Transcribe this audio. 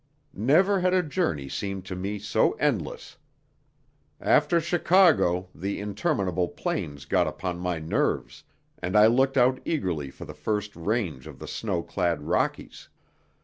Never had a journey seemed to me so endless. After Chicago the interminable plains got upon my nerves, and I looked out eagerly for the first range of the snow clad Rockies.